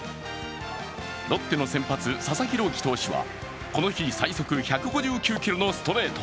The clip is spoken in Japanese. ロッテの先発・佐々木朗希投手はこの日最速１５９キロのストレート。